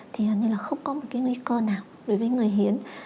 thì hẳn như là không có một cái nguy cơ nào đối với người hiến